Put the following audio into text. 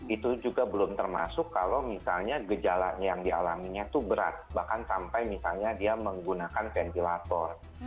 itu juga belum termasuk kalau misalnya gejala yang dialaminya itu berat bahkan sampai misalnya dia menggunakan ventilator